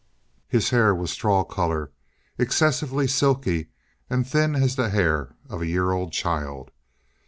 His hair was straw color, excessively silky, and thin as the hair of a year old child.